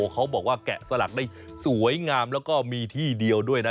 เขาบอกว่าแกะสลักได้สวยงามแล้วก็มีที่เดียวด้วยนะ